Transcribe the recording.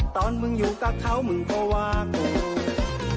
ตอนมึงอยู่กับเขามึงก็ว่าง